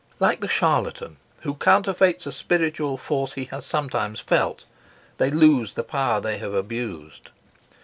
Like the charlatan who counterfeits a spiritual force he has sometimes felt, they lose the power they have abused.